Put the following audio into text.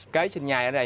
kế sinh nhai ở đây